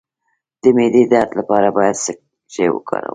د معدې درد لپاره باید څه شی وکاروم؟